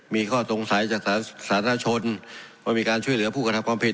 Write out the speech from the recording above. มีข้อสงสัยจากสาธารณชนว่ามีการช่วยเหลือผู้กระทำความผิด